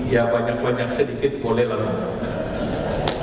ya banyak banyak sedikit boleh lah